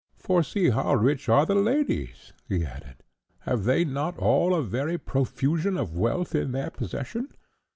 For see how rich are their ladies," he added; "have they not all a very profusion of wealth in their possession?